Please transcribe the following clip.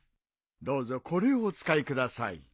どうぞこれをお使いください。